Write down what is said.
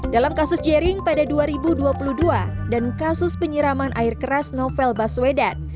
dalam kasus jering pada dua ribu dua puluh dua dan kasus penyiraman air keras novel baswedan